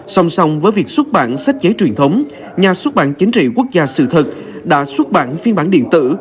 song song với việc xuất bản sách chế truyền thống nhà xuất bản chính trị quốc gia sự thật đã xuất bản phiên bản điện tử